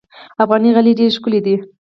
افغاني غالۍ ډېرې ښکلې دي.